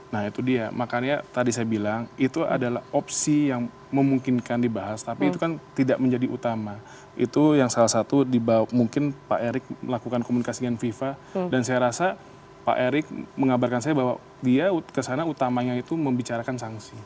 nah itu dia makanya tadi saya bilang itu adalah opsi yang memungkinkan dibahas tapi itu kan tidak menjadi utama itu yang salah satu dibawa mungkin pak erick melakukan komunikasi dengan viva dan saya rasa pak erick mengabarkan saya bahwa dia kesana utamanya itu membicarakan sanksi